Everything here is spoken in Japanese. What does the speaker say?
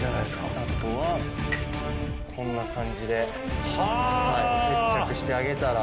あとはこんな感じで接着してあげたら。